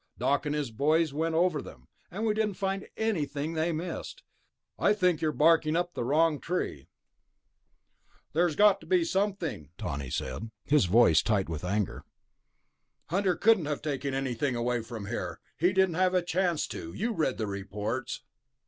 Doc and his boys went over them, and we didn't find anything they missed. I think you're barking up the wrong tree." "There's got to be something," Tawney said, his voice tight with anger. "Hunter couldn't have taken anything away from there, he didn't have a chance to. You read the reports..."